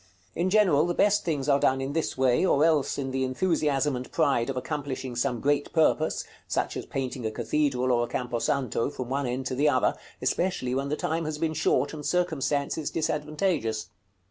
In general, the best things are done in this way, or else in the enthusiasm and pride of accomplishing some great purpose, such as painting a cathedral or a camposanto from one end to the other, especially when the time has been short, and circumstances disadvantageous.